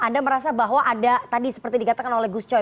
anda merasa bahwa ada seperti dikatakan oleh gus choi